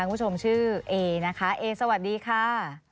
คุณผู้ชมชื่อเอนะคะเอสวัสดีค่ะ